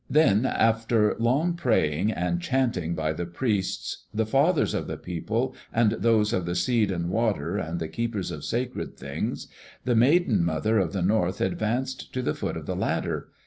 Then after long praying and chanting by the priests, the fathers of the people, and those of the Seed and Water, and the keepers of sacred things, the Maiden mother of the North advanced to the foot of the ladder.